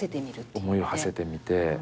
思いをはせてみて。